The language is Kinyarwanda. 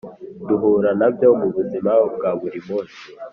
duhura na byo mubuzima bwaburi munsi